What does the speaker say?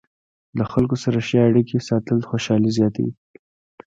له خلکو سره ښې اړیکې ساتل خوشحالي زیاتوي.